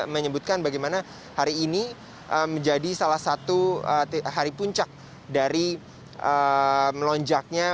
menyebutkan bagaimana hari ini menjadi salah satu hari puncak dari melonjaknya